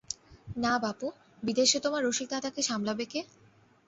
না বাপু, বিদেশে তোমার রসিকদাদাকে সামলাবে কে?